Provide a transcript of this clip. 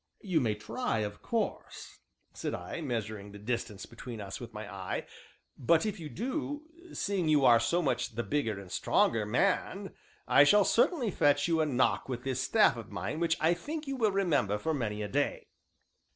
"You may try, of course," said I, measuring the distance between us with my eye, "but if you do, seeing you are so much the bigger and stronger man, I shall certainly fetch you a knock with this staff of mine which I think you will remember for many a day."